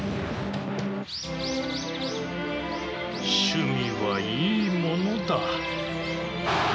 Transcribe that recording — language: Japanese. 趣味はいいものだ。